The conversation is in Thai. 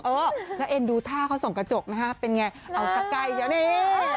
เออแล้วเอ็นดูท่าเขาส่องกระจกนะฮะเป็นไงเอาสไกรเดี๋ยวนี้